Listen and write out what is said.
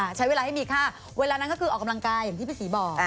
ใช้เวลาให้มีค่าเวลานั้นก็คือออกกำลังกายอย่างที่พี่ศรีบอก